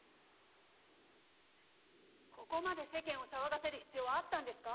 ここまで世間を騒がせる必要はあったんですか？